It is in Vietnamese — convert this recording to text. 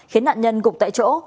khiến nạn nhân gục tại chỗ